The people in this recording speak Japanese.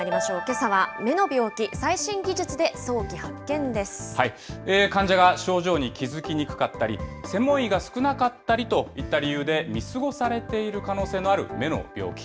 けさは目の病気、最新技術で早期患者が症状に気付きにくかったり、専門医が少なかったりといった理由で見過ごされている可能性のある目の病気。